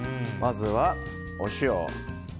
まずは、お塩。